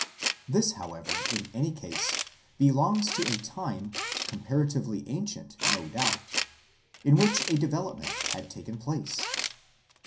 This, however, in any case, belongs to a time, comparatively ancient no doubt, in which a development had taken place.